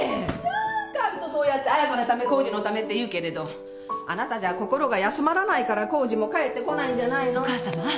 何かあるとそうやって彩香のため功治のためって言うけれどあなたじゃ心が休まらないから功治も帰ってこないんじゃないの。お母さま。